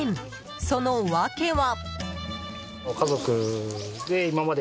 その訳は。